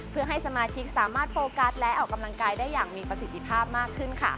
เพื่อให้สมาชิกสามารถโฟกัสและออกกำลังกายได้อย่างมีประสิทธิภาพมากขึ้นค่ะ